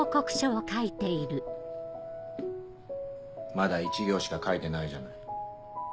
まだ１行しか書いてないじゃない。